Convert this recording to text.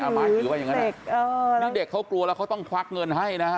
หมายถึงว่าอย่างนั้นนี่เด็กเขากลัวแล้วเขาต้องควักเงินให้นะฮะ